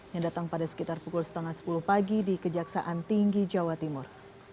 yang datang pada sekitar pukul setengah sepuluh pagi di kejaksaan tinggi jawa timur